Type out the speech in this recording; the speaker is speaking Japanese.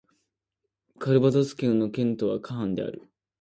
カルヴァドス県の県都はカーンである